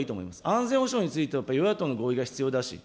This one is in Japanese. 安全保障についてはやっぱり与野党の合意が必要だし。